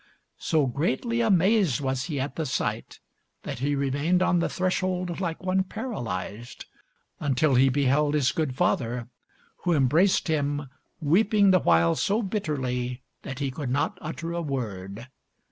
So greatly amazed was he at the sight, that he remained on the threshold like one paralysed, until he beheld his good father, who embraced him, weeping the while so bitterly that he could not utter a word.